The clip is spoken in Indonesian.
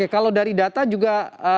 kalau dari data juga